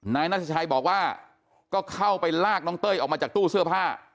นายนัชชัยบอกว่าก็เข้าไปลากน้องเต้ยออกมาจากตู้เสื้อผ้า